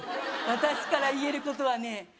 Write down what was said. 私から言えることはね